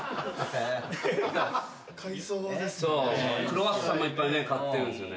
クロワッサンもいっぱいね買ってるんですよね。